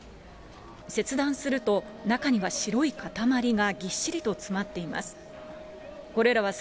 切断すると、中には白い塊がぎっしりと詰まっています。